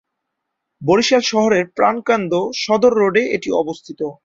বরিশাল শহরের প্রাণকেন্দ্র সদর রোডে এটি অবস্থিত।